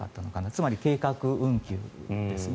つまり、計画運休ですね。